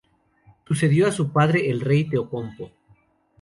Sucedió a su padre el rey Teopompo.